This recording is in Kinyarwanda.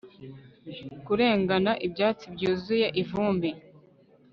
kurengana, ibyatsi byuzuye ivumbi